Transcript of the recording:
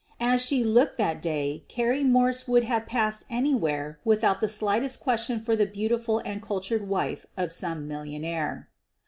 As she looked that ;day Carrie Morse would have passed anywhere with out the slightest question for the beautiful and cultured wife of some millionaire.